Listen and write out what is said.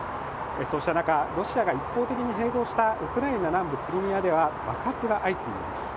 そうした中、ロシアが一方的に併合したウクライナ南部クリミアでは爆発が相次いでいます。